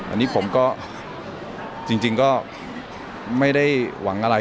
อันนี้ผมก็จริงก็ไม่ได้หวังอะไร